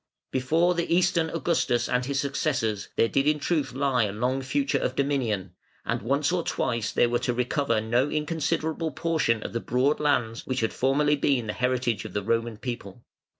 Before the Eastern Augustus and his successors there did in truth lie a long future of dominion, and once or twice they were to recover no inconsiderable portion of the broad lands which had formerly been the heritage of the Roman people.